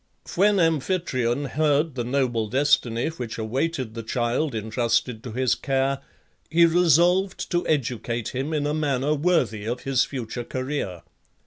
When Amphitryon heard the noble destiny which awaited the child intrusted to his care, he resolved to educate him in a manner worthy of his future career.